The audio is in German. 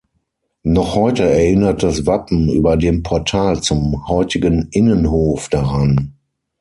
Noch heute erinnert das Wappen über dem Portal zum heutigen Innenhof daran.